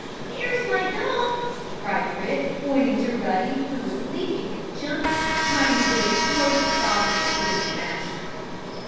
"There's my dog!" cried Rick, pointing to Ruddy, who was leaping and jumping, trying to get as close as possible to his new master.